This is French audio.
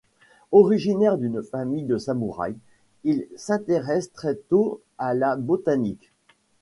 Originaire d’une famille de samouraï, il s’intéresse très tôt à la botanique.